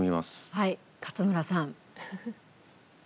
はい勝村さん。